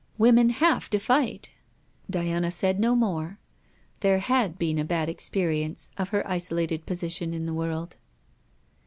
'Women have to fight.' Diana said no more. There had been a bad experience of her isolated position in the world.